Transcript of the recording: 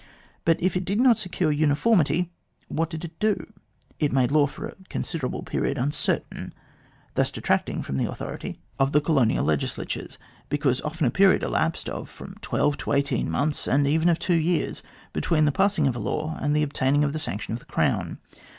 But if it did not secure uniformity, what did it do ? It made law for a con siderable period uncertain, thus detracting from the authority 238 THE GLADSTONE COLONY of the colonial legislatures, because often a period elapsed of from twelve to eighteen months, and even of two years, between the passing of a law and the obtaining the sanction of the Crown.